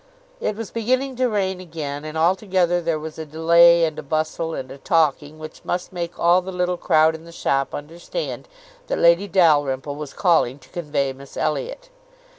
It was beginning to rain again, and altogether there was a delay, and a bustle, and a talking, which must make all the little crowd in the shop understand that Lady Dalrymple was calling to convey Miss Elliot.